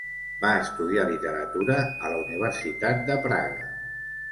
Va estudiar Literatura a la Universitat de Praga.